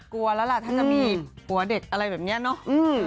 กลัวแล้วล่ะถ้าจะบีบหัวเด็กอะไรแบบนี้เนาะ